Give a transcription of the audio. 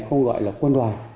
không gọi là quân đoàn